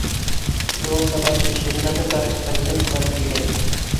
Билал Саматович, унда бер корреспондентҡа килгән...